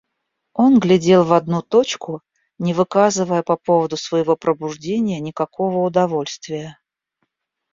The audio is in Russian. Он глядел в одну точку, не выказывая по поводу своего пробуждения никакого удовольствия.